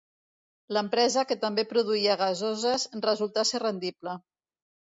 L'empresa, que també produïa gasoses, resultà ser rendible.